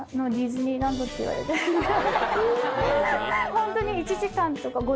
ホントに。